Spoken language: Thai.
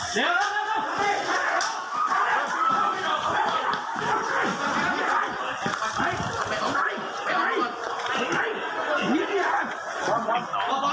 ตัวประกันออกหมดแล้วนะครับผม